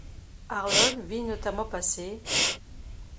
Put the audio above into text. Arlon vit notamment passer...